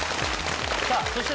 さあそして。